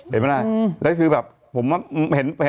เห็นไหมล่ะแล้วคือแบบ